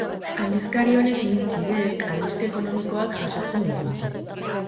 Aldizkari honekin kideek albiste ekonomikoak jasotzen dituzte.